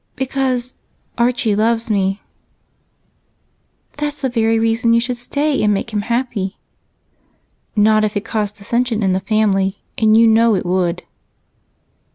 "Because Archie loves me." "That's the very reason you should stay and make him happy." "Not if it caused dissension in the family, and you know it would."